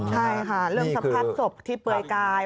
ใช่ค่ะเรื่องสัมพันธ์ศพที่เปยกาย